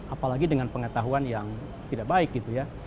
apalagi dengan pengetahuan yang tidak baik gitu ya